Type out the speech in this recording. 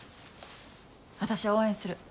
私は応援する。